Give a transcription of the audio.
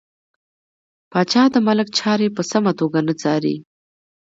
پاچا د ملک چارې په سمه توګه نه څاري .